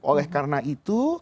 oleh karena itu